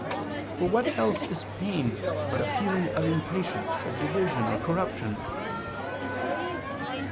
For what else is pain but a feeling of impatience of division or corruption?"